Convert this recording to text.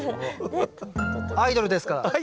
アイドルですから。